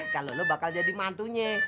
kalau lo bakal jadi mantunya